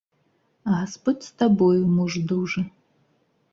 Гасподзь з табою, муж дужы!